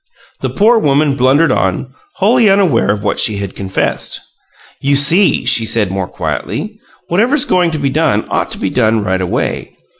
The poor woman blundered on, wholly unaware of what she had confessed. "You see," she said, more quietly, "whatever's going to be done ought to be done right away.